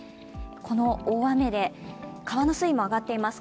この大雨で川の水位も上がっています。